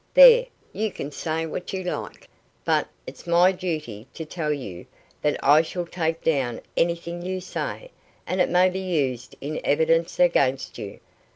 "There, you can say what you like, but it's my duty to tell you that I shall take down anything you say, and it may be used in evidence against you."